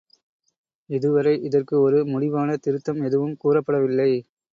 இதுவரை இதற்கு ஒரு முடிவான திருத்தம் எதுவும் கூறப்படவில்லை.